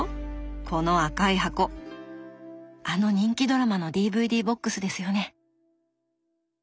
この赤い箱あの人気ドラマのＤＶＤボックスですよね。